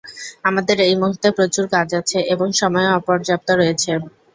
আমাদের এই মুহূর্তে প্রচুর কাজ আছে এবং সময়ও অপর্যাপ্ত রয়েছে।